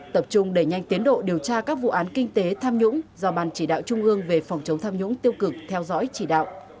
tập trung đẩy nhanh tiến độ điều tra các vụ án kinh tế tham nhũng do ban chỉ đạo trung ương về phòng chống tham nhũng tiêu cực theo dõi chỉ đạo